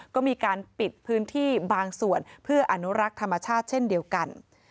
ก็มีการปิดพื้นที่บางส่วนเพื่ออนุรักษ์ธรรมชาติเช่นเดียวกัน